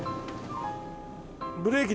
ブレーキ